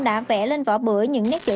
đã vẽ lên vỏ bưởi những nét chữ